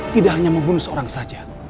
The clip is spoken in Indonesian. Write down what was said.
tidak hanya membunuh seorang saja